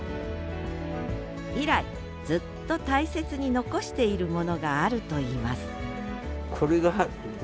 以来ずっと大切に残しているものがあるといいます